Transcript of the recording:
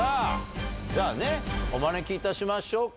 じゃあね、お招きいたしましょうか。